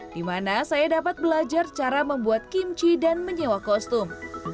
di mana saya dapat belajar cara membuat kimchi dan menyewa kostum